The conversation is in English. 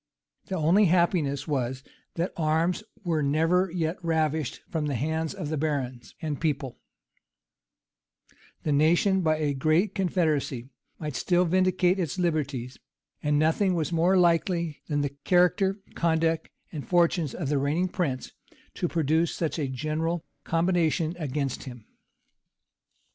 The only happiness was, that arms were never yet ravished from the hands of the barons and people: the nation, by a great confederacy, might still vindicate its liberties: and nothing was more likely than the character, conduct, and fortunes of the reigning prince, to produce such a general combination against him.